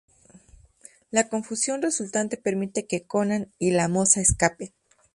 La confusión resultante permite que Conan y la moza escapen.